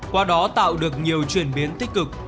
qua đó tạo được nhiều chuyển biến tích cực